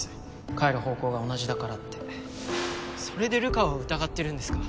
帰る方向が同じだからってそれで流川を疑ってるんですか。